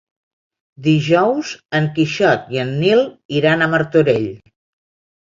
Dijous en Quixot i en Nil iran a Martorell.